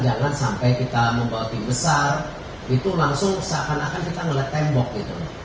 jangan sampai kita membawa tim besar itu langsung seakan akan kita melihat tembok gitu